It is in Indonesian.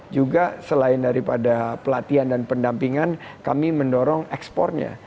juga selain daripada pelatihan dan pendampingan kami mendorong ekspornya